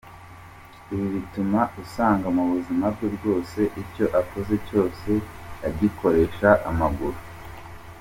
Ibi bituma usanga mu buzima bwe bwose icyo akoze cyose agikoresha amaguru.